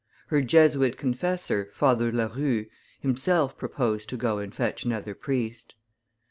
Her Jesuit confessor, Father La Rue, himself proposed to go and fetch another priest.